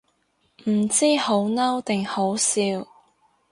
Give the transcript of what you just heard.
唔知好嬲定好笑